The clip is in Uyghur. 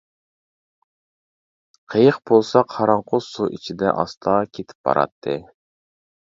قېيىق بولسا قاراڭغۇ سۇ ئىچىدە ئاستا كېتىپ باراتتى.